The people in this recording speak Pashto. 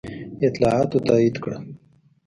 اطلاعاتو تایید کړه.